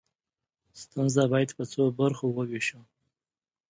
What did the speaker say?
ستونزه باید په څو برخو وویشو.